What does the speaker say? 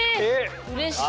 うれしいな。